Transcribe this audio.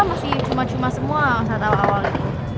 masih cuma cuma semua saat awal awalnya